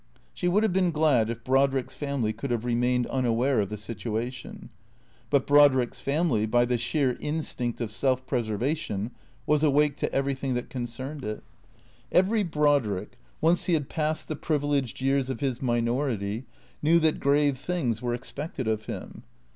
She would have been glad if Brodrick's family could have remained unaware of the situation. But Brodrick's family, by the sheer instinct of self preservation, was awake to everything that concerned it. Every Brodrick, once he had passed the privileged years of his minority, knew that grave things were expected of him.